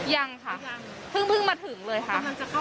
ยังค่ะเพิ่งมาถึงเลยค่ะ